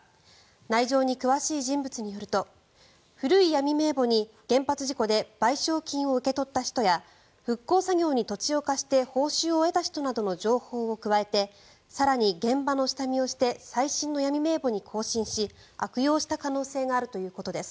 内情に詳しい人物によると古い闇名簿に、原発事故で賠償金を受け取った人や復興作業に土地を貸して報酬を得た人などの情報を加えて更に現場の下見をして最新の闇名簿に更新し悪用した可能性があるということです。